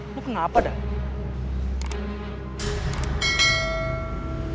lo kenapa dah